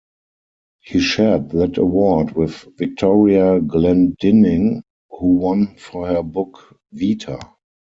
He shared that award with Victoria Glendinning, who won for her book "Vita".